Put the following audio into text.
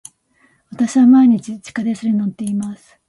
私は毎日地下鉄に乗っています。